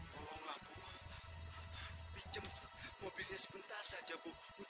tolonglah bu pinjam mobilnya sebentar saja bu untuk mobilnya